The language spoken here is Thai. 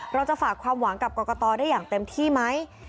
เราจะฝากความหวังกับกรกตได้อย่างเต็มที่ไหม